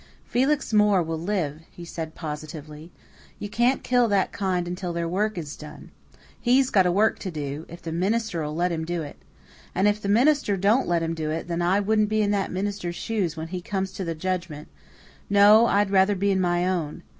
"Felix Moore will live," he said positively. "You can't kill that kind until their work is done. He's got a work to do if the minister'll let him do it. And if the minister don't let him do it, then I wouldn't be in that minister's shoes when he comes to the judgment no, I'd rather be in my own.